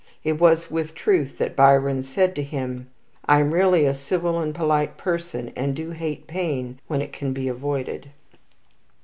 It was with truth that Byron said of himself: "I am really a civil and polite person, and do hate pain when it can be avoided."